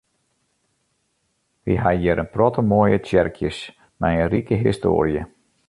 Wy ha hjir in protte moaie tsjerkjes mei in rike histoarje.